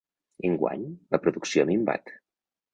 Enguany, la producció ha minvat.